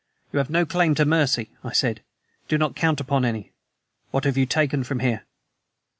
"You have no claim to mercy," I said. "Do not count upon any. What have you taken from here?"